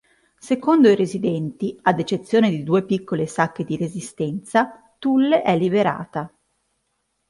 Secondo i resistenti, ad eccezione di due piccole sacche di resistenza, Tulle è liberata.